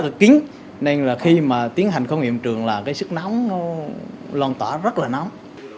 rất là kính nên là khi mà tiến hành không hiện trường là cái sức nóng lòng tỏa rất là nóng